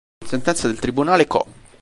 Con sentenza del Tribunale Co.